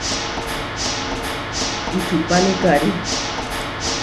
Ičuhpáni karí.